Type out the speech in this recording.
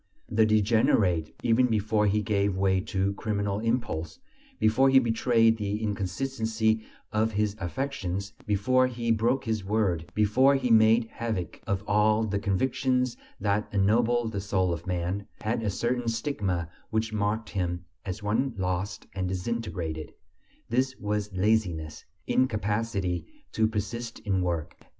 The degenerate, even before he gave way to criminal impulse, before he betrayed the inconstancy of his affections, before he broke his word, before he made havoc of all the convictions that ennoble the soul of man, had a certain stigma which marked him as one lost and disintegrated: this was laziness, incapacity to persist in work.